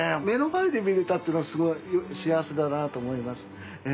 目の前で見れたっていうのがすごい幸せだなと思います。